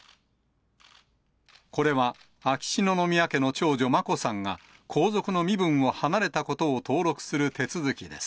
これは秋篠宮家の長女、眞子さんが、皇族の身分を離れたことを登録する手続きです。